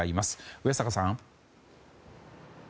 上坂さん。